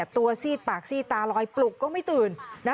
ตัวซีดปากหลายปลุกก็ไม่ตื่น